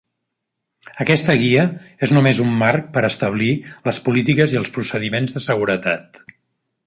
Aquesta guia és només un marc per establir les polítiques i els procediments de seguretat.